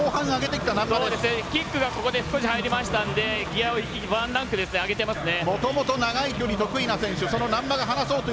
キックがここで少し入りましたのでギアをワンランク上げていますね。